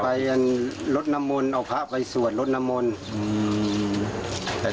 ไปรถนำมนตร์เอาพระไปสวดรถนำมนตร์